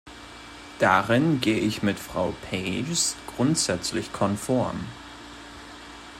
Darin gehe ich mit Frau Peijs grundsätzlich konform.